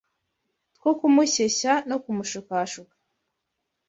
two kumushyeshya no kumushukashuka